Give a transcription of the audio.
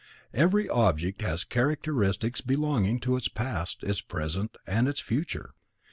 Every object has characteristics belonging to its past, its present and its future.